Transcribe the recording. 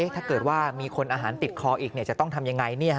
ถ้าเกิดว่ามีคนอาหารติดคออีกจะต้องทำยังไง